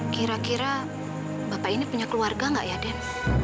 kira kira bapak ini punya keluarga gak ya den